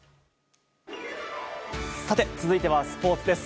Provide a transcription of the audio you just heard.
続いてはスポーツです。